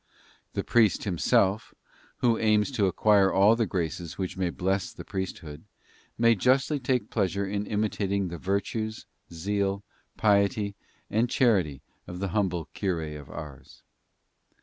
The priest himself, who aims to acquire all the graces which may bless the priesthood, may justly take pleasure in imitating the virtues, zeal, piety and charity of the humble cure of Ars.